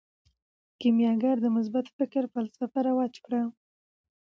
کیمیاګر د مثبت فکر فلسفه رواج کړه.